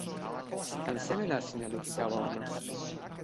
tan seme la sina lukin tawa ona?